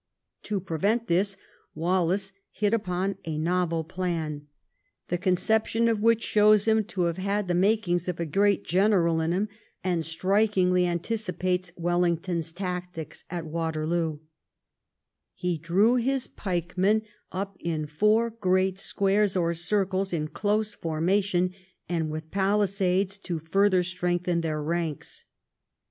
To prevent this Wallace hit upon a novel plan, the conception of which shows him to have had the mak ing of a great general in him, and strikingly anticipates Wellington's tactics at Waterloo, He drew his pikemen up in four great squares or circles in close formation, and with palisades to further strengthen their ranks.